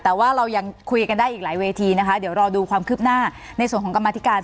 แต่ว่าเรายังคุยกันได้อีกหลายเวทีนะคะเดี๋ยวรอดูความคืบหน้าในส่วนของกรรมธิการ